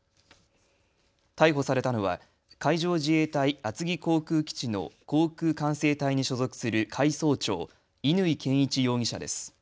逮捕されたのは海上自衛隊厚木航空基地の航空管制隊に所属する海曹長、乾健一容疑者です。